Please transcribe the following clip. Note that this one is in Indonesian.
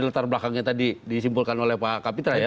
letar belakangnya tadi disimpulkan oleh pak kapitra